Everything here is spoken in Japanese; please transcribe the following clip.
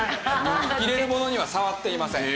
入れるものには触っていません。